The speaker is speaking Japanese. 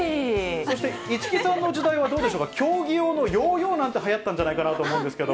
そして市來さんの時代はどうでしょうか、競技用のヨーヨーなんてはやったんじゃないかなと思うんですけど。